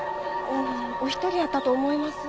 うんお一人やったと思います。